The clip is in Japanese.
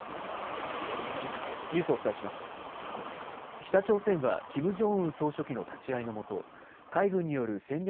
北朝鮮はキム・ジョンウン総書記の立ち会いのもと、海軍による戦略